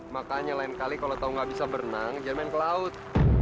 makanya lain kali kalau tahu nggak bisa berenang jangan main ke laut